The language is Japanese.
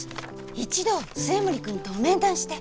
一度末森君と面談して。